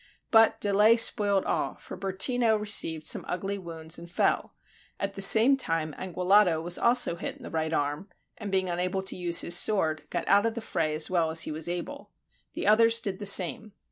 But delay spoiled all: for Bertino received some ugly wounds and fell; at the same time Anguillotto was also hit in the right arm, and being unable to use his sword, got out of the fray as well as he was able. The others did the same.